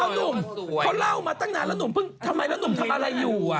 หนุ่มเขาเล่ามาตั้งนานแล้วหนุ่มเพิ่งทำไมแล้วหนุ่มทำอะไรอยู่